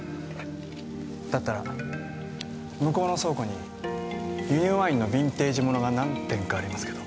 だったら向こうの倉庫に輸入ワインのヴィンテージものが何点かありますけど。